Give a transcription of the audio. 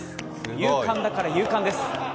勇敢だから夕刊です。